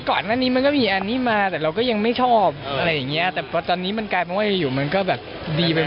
ก่อนอันนี้มันก็มีอันนี้มาแต่เราก็ยังไม่ชอบอะไรอย่างงี้